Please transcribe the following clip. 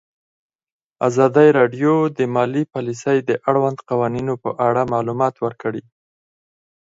ازادي راډیو د مالي پالیسي د اړونده قوانینو په اړه معلومات ورکړي.